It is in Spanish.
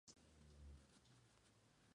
En el Museo Municipal Prof.